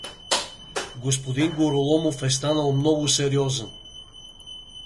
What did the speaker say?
— Г-н Гороломов е станал много сериозен.